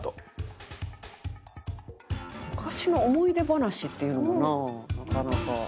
昔の思い出話っていうのもななかなか。